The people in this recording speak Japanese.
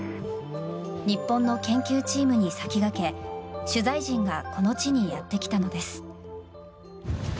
日本の研究チームに先駆け取材陣がこの地にやってきたのです。